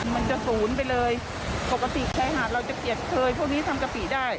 มันจะศูนย์ไปเลยปกติชายหาดเราจะเปียกเคยพวกนี้ทำกะปิได้